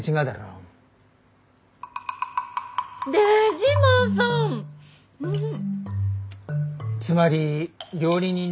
うん。